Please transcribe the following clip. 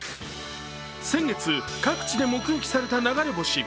先月、各地で目撃された流れ星。